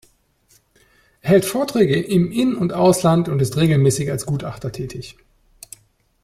Er hält Vorträge im In- und Ausland und ist regelmäßig als Gutachter tätig.